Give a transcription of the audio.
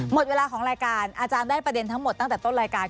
หมดเวลาของรายการอาจารย์ได้ประเด็นทั้งหมดตั้งแต่ต้นรายการ